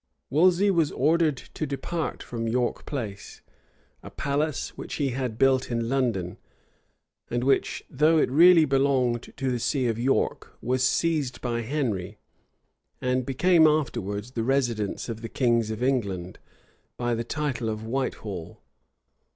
Wolsey was ordered to depart from York Place, a palace which he had built in London, and which, though it really belonged to the see of York, was seized by Henry, and became afterwards the residence of the kings of England, by the title of Whitehall.